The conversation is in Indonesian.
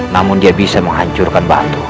namun dia bisa menghancurkan batu